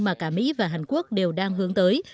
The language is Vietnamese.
mà cả mỹ và hàn quốc đều đang hướng tới